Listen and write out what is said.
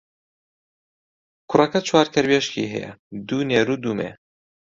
کوڕەکە چوار کەروێشکی هەیە، دوو نێر و دوو مێ.